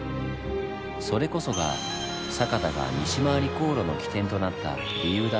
それこそが酒田が西廻り航路の起点となった理由だったんです。